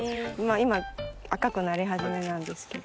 今赤くなり始めなんですけど。